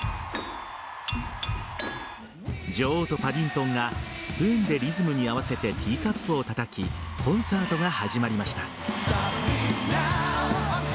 女王とパディントンがスプーンでリズムに合わせてティーカップをたたきコンサートが始まりました。